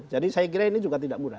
jadi saya kira ini juga tidak mudah